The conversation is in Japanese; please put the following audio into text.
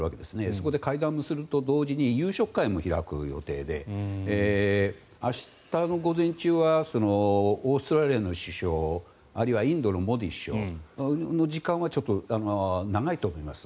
そこで会談をすると同時に夕食会も開く予定で明日の午前中はオーストラリアの首相あるいはインドのモディ首相の時間はちょっと長いと思います。